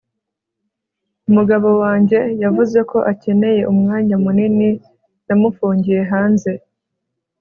umugabo wanjye yavuze ko akeneye umwanya munini. namufungiye hanze